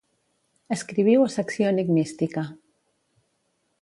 Escriviu a Secció Enigmística.